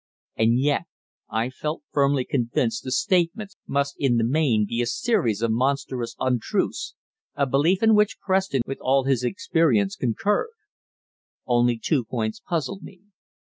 And yet I felt firmly convinced the statements must in the main be a series of monstrous untruths, a belief in which Preston, with all his experience, concurred. Only two points puzzled me.